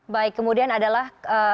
baik kemudian adalah